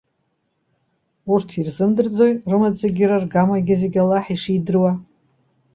Урҭ ирзымдырӡои, рымаӡагьы, раргамагьы зегьы Аллаҳ ишидыруа?